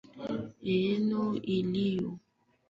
majimbo arobaini na nane yanayojitawala Eneo hilo